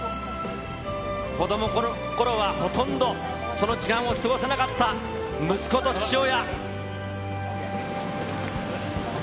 子どものころはほとんどその時間を過ごせなかった息子と父親。